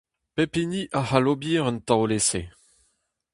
Pep hini a c'hall ober un taol-esae.